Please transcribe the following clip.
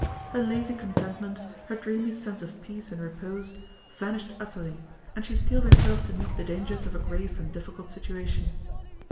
Her lazy contentment, her dreamy sense of peace and repose, vanished utterly, and she steeled herself to meet the dangers of a grave and difficult situation.